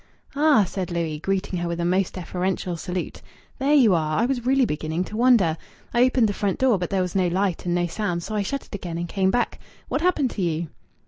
"Ah!" said Louis, greeting her with a most deferential salute. "There you are. I was really beginning to wonder. I opened the front door, but there was no light and no sound, so I shut it again and came back. What happened to you?"